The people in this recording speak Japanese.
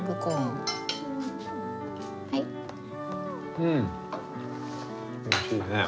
うんおいしいね。